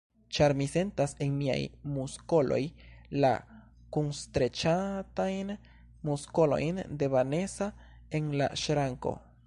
Ĉar mi sentas en miaj muskoloj la kunstreĉatajn muskolojn de Vanesa en la ŝranko.